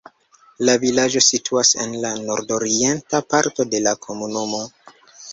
La vilaĝo situas en la nordorienta parto de la komunumo.